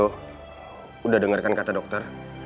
sudah dengarkan kata dokter